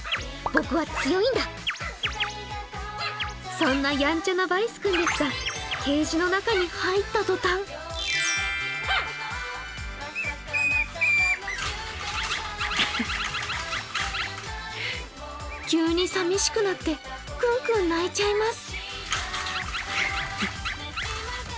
そんなやんちゃなヴァイスくんですがケージの中に入った途端急にさみしくなってクンクン鳴いちゃいます。